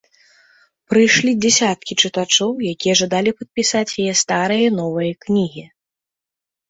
Прыйшлі дзясяткі чытачоў, якія жадалі падпісаць яе старыя і новыя кнігі.